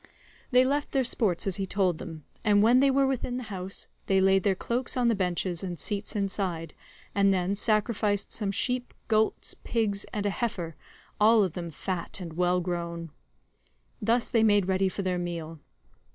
They left their sports as he told them, and when they were within the house, they laid their cloaks on the benches and seats inside, and then sacrificed some sheep, goats, pigs, and a heifer, all of them fat and well grown.141 Thus they made ready for their meal.